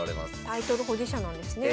タイトル保持者なんですね。